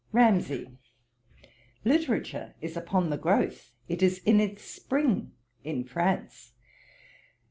RAMSAY. 'Literature is upon the growth, it is in its spring in France.